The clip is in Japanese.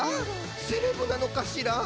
セレブなのかしら？